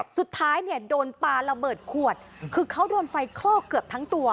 สุดท้ายโดนปลาระเบิดควดคือเขาโดนไฟเคลาดนอดเยี่ยมแค่ทั้งตัว